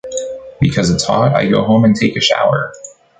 Because it's hot, I go home and take a shower.